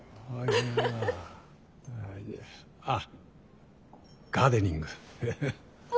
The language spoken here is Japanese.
あっガーデニング。